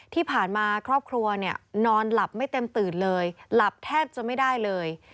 ที่ผ่านมาครอบครัวเนี่ยนอนหลับไม่เต็มตื่นเลยหลับแทบจะไม่ได้เลย